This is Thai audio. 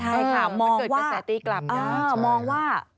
ใช่ค่ะมองนึกว่า